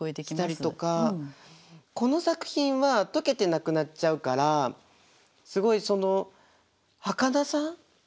したりとかこの作品は解けてなくなっちゃうからすごいそのはかなさもあったりとか。